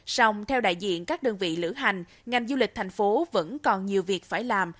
song theo đại diện các đơn vị lữ hành ngành du lịch thành phố vẫn còn nhiều việc phải làm